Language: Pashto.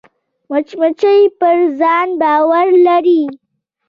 مچمچۍ پر ځان باور لري